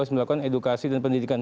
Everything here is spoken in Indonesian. melakukan edukasi dan pendidikan